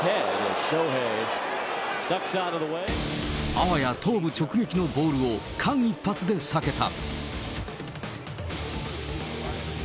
あわや頭部直撃のボールを、間一髪で避けた。